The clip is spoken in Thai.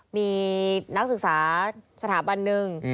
มีนักศึกษาสถาบันหนึ่ง